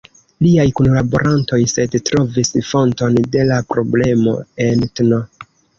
Liaj kunlaborantoj sed trovis fonton de la problemo en tn.